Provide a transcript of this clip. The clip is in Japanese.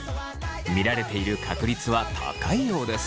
見られている確率は高いようです。